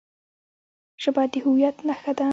ژبه د هویت نښه ده.